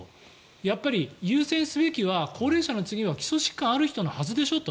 やっぱり優先すべきは高齢者の次は基礎疾患がある人のはずでしょと。